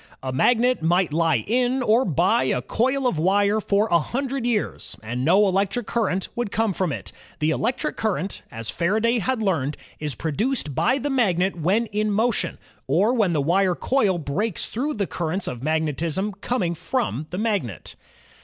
A magnet might lie in or by a coil of wire for a hundred years, and no elec tric current would come from it. The electric current, as Faraday had learned, is produced by the magnet when in motion, or when the wire coil breaks through the currents of magnetism coming from the magnet.